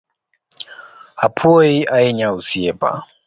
Apuoyi ahinya Osiepa.